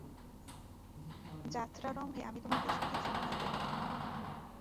যাত্রারম্ভে আমি তোমাকে সঠিক সংবাদ দেব।